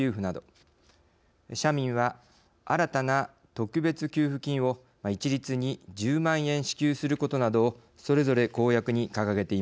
社民は新たな特別給付金を一律に１０万円支給することなどをそれぞれ公約に掲げています。